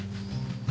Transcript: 何？